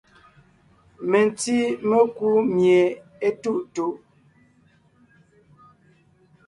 Mentí mekú mie étuʼtuʼ.